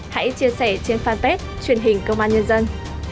hãy chia sẻ trên fanpage truyền hình công an nhân dân